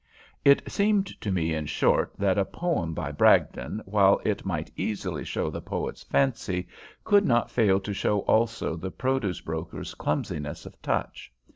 It seemed to me, in short, that a poem by Bragdon, while it might easily show the poet's fancy, could not fail to show also the produce broker's clumsiness of touch.